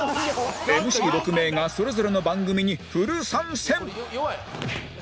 ＭＣ６ 名がそれぞれの番組にフル参戦！